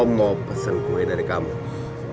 mau pesen kue dari kamu